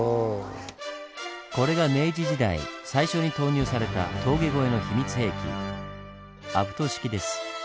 これが明治時代最初に投入された峠越えの秘密兵器アプト式です。